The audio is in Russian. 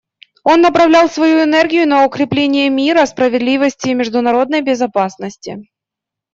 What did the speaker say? Он направлял свою энергию на укрепление мира, справедливости и международной безопасности.